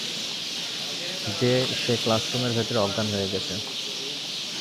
যে সে ক্লাসরুমের ভিতরে অজ্ঞান হয়ে গেছে।